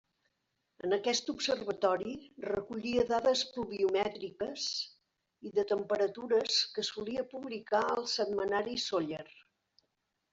En aquest observatori recollia dades pluviomètriques i de temperatures que solia publicar al setmanari Sóller.